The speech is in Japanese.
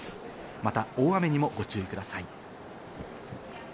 また大雨にもご注意ください。